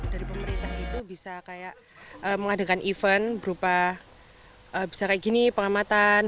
dari pemerintah gitu bisa kayak mengadakan event berupa bisa kayak gini pengamatan